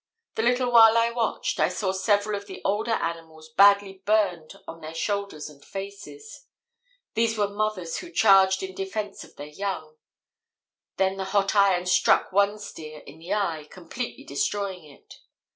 The little while I watched, I saw several of the older animals badly burned on their shoulders and faces. These were mothers who charged in defence of their young; then the hot iron struck one steer in the eye, completely destroying it.